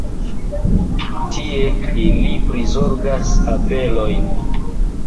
Tie, ili prizorgas abelojn.